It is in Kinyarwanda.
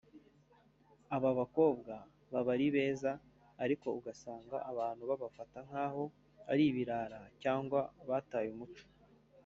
aba bakobwa aba ari beza ariko ugasanga abantu babafata nk’aho ari ibirara cyangwa abataye umuco